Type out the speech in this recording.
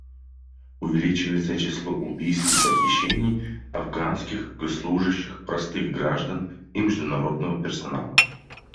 Увеличивается число убийств и похищений афганских госслужащих, простых граждан и международного персонала.